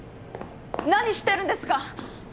何してるんですか！